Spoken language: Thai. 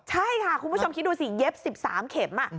ใช่ค่ะคุณผู้ชมคิดดูสิเย็บ๑๓เข็ม